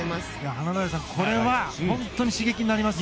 華大さんこれは本当に刺激になりますよ。